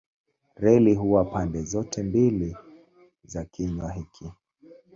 Reli huwa pande zote mbili za kinywa hiki.